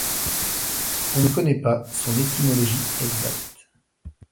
On ne connaît pas son étymologie exacte.